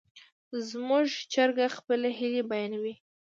زموږ چرګه خپلې هیلې بیانوي.